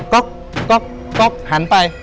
ก๊อกก๊อกก๊อกหันไป